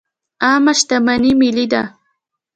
عامه شتمني ملي ده